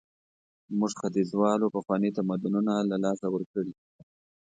موږ ختیځوالو پخواني تمدنونه له لاسه ورکړي.